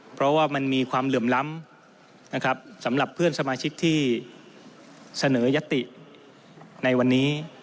เพราะว่ามันมีความเหลื่อมล้ำนะครับสำหรับเพื่อนสมาชิกที่เสนอยติในวันนี้